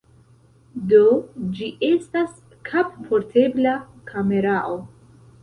Do, ĝi estas kapportebla kamerao.